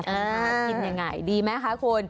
กินยังไงดีไหมคะคุณ